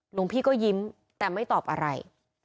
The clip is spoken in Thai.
หลวงพี่ก็ยิ้มแต่ไม่ตอบอะไร